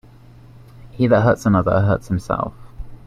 He that hurts another, hurts himself.